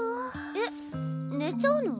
えっ寝ちゃうの？